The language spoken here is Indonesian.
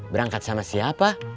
berangkat sama siapa